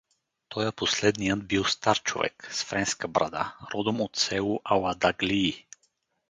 Тоя последният бил стар човек, с френска брада, родом от с. Аладаглии.